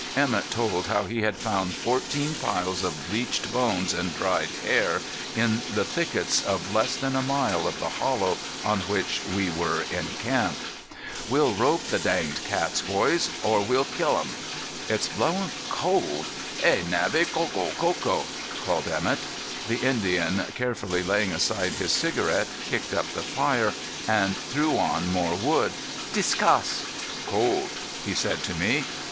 Emett told how he had found fourteen piles of bleached bones and dried hair in the thickets of less than a mile of the hollow on which we were encamped. "We'll rope the danged cats, boys, or we'll kill them." "It's blowing cold. Hey, Navvy, coco! coco!" called Emett. The Indian, carefully laying aside his cigarette, kicked up the fire and threw on more wood. "Discass! (cold)," he said to me.